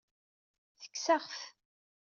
Tekkes-aɣ-t.